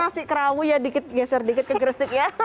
masa nasi kerawunya dikit geser dikit ke kristik ya